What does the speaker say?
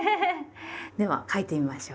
では書いてみましょう。